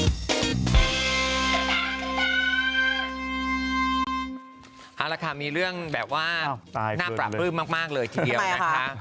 เอาละค่ะมีเรื่องแบบว่าน่าปราบปลื้มมากเลยทีเดียวนะคะ